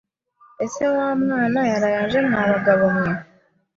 Ese wa mwana yaraye aje mwa bagabo mwe